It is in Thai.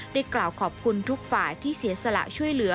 กล่าวขอบคุณทุกฝ่ายที่เสียสละช่วยเหลือ